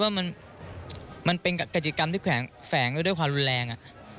ผมคิดว่ามันมันเป็นกระจิตกรรมที่แข็งแฝงด้วยด้วยความรุนแรงอ่ะ